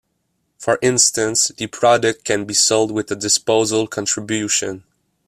For instance the product can be sold with a disposal contribution.